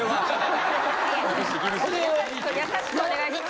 ・優しく優しくお願いします